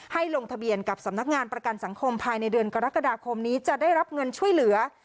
ลงทะเบียนกับสำนักงานประกันสังคมภายในเดือนกรกฎาคมนี้จะได้รับเงินช่วยเหลือ